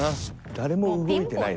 誰も動いてないな。